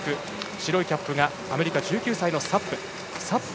白いキャップがアメリカ、１９歳のサップ。